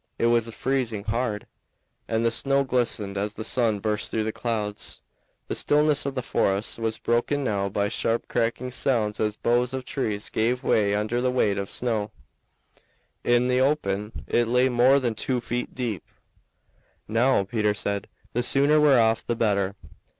It was freezing hard, and the snow glistened as the sun burst through the clouds. The stillness of the forest was broken now by sharp cracking sounds as boughs of trees gave way under the weight of the snow; in the open it lay more than two feet deep. "Now," Peter said, "the sooner we're off the better."